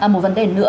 một vấn đề nữa